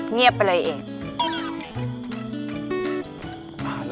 เงียบไปนะไอเอก